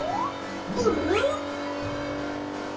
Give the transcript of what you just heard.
ぐるん！